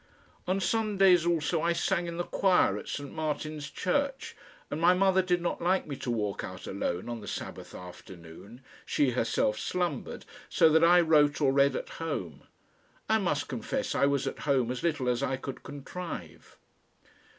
On Sundays also I sang in the choir at St. Martin's Church, and my mother did not like me to walk out alone on the Sabbath afternoon, she herself slumbered, so that I wrote or read at home. I must confess I was at home as little as I could contrive.